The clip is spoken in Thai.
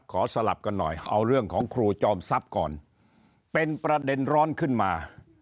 สลับกันหน่อยเอาเรื่องของครูจอมทรัพย์ก่อนเป็นประเด็นร้อนขึ้นมา